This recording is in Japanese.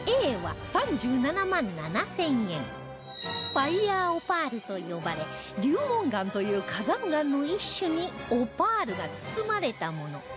ファイヤーオパールと呼ばれ流紋岩という火山岩の一種にオパールが包まれたもの